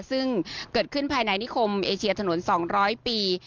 ซึ่งเกิดขึ้นภายในนิคมเอเชียถนน๒๐๐ปี